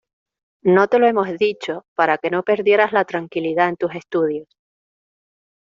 No te lo hemos dicho para que no perdieras la tranquilidad en tus estudios.